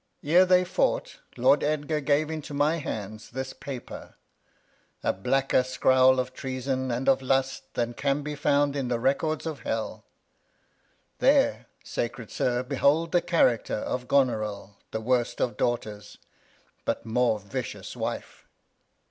'Ere they fought Lord Edgar gave into my Hands this Paper, Act v] King Lear 251 A blacker Scrowl of Treason, and of Lust, Than can be found in the Records of Hell ; There, sacred Sir, behold the Character Of Goneril, the worst of Daughters, but More vicious Wife.